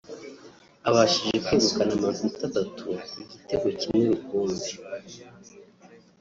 abashije kwegukana amanota atatu ku gitego kimwe rukumbi